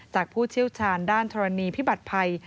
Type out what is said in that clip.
ผู้เชี่ยวชาญด้านธรณีพิบัติภัย